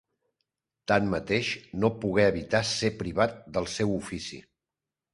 Tanmateix, no pogué evitar ser privat del seu ofici.